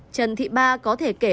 trần thị ba có thể kể